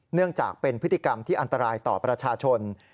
เนื่องจากเป็นพฤติกรรมที่อันตรายต่อประชาชน